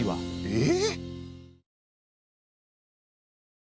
え。